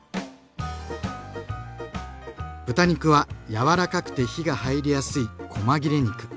豚肉はやわらかくて火が入りやすいこま切れ肉。